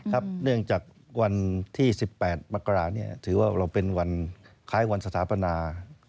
เนื่องจากวันที่๑๘มกราถือว่าเราเป็นวันคล้ายวันสถาปนา